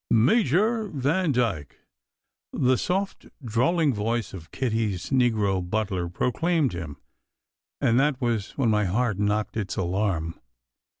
"Major Vandyke!" the soft, drawling voice of Kitty s negro butler proclaimed him; and that was when my heart knocked its alarm.